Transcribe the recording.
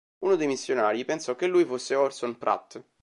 Uno dei missionari pensò che lui fosse Orson Pratt.